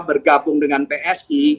bergabung dengan psi